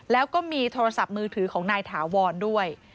แล้วก็มีโทรศัพท์มือถือของนายถาวรด้วย